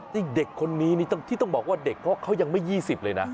นี่เด็กคนนี้ที่ต้องบอกว่าเด็กเขายังไม่ยี่สิบเลยนะ